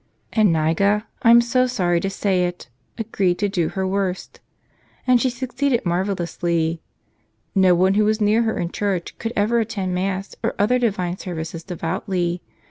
And Niga — I'm so sorry to say it! — agreed to do her worst. And she succeeded marvelously. No one who was near her in church could ever attend Mass or other divine services devoutly.